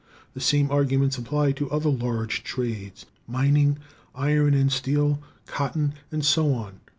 The same arguments apply to other large trades: mining, iron and steel, cotton, and so on.